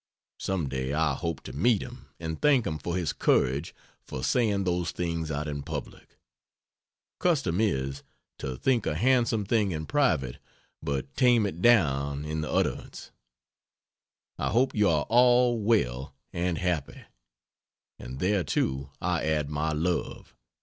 Some day I hope to meet him and thank him for his courage for saying those things out in public. Custom is, to think a handsome thing in private but tame it down in the utterance. I hope you are all well and happy; and thereto I add my love.